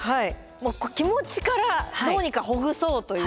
気持ちからどうにかほぐそうという。